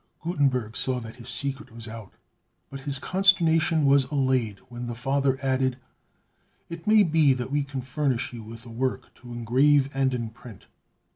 '" Gutenberg saw that his secret was out; but his consternation was allayed when the Father added, "It may be that we can furnish you with a work to engrave and imprint.